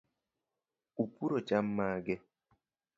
Upuro cham mage?